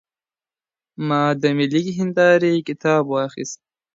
ما د ملي هنداره کتاب واخیست.